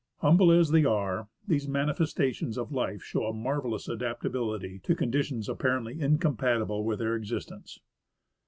Humble as they are, these manifestations of life show a marvellous adaptability to conditions apparently in compatible with their existence.